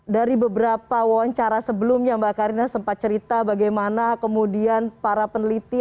dari beberapa wawancara sebelumnya mbak karina sempat cerita bagaimana kemudian para peneliti